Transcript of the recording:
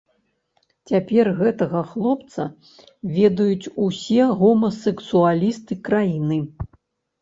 Цяпер гэтага хлопца ведаюць усе гомасэксуалісты краіны.